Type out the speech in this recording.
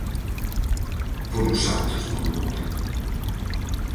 Polos santos do mundo!